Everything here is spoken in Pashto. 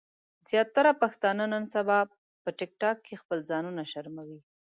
زياتره پښتانۀ نن سبا په ټک ټاک کې خپل ځانونه شرموي